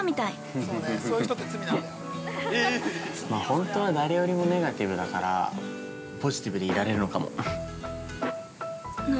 本当は誰よりもネガティブだから、ポジティブでいられるのかも。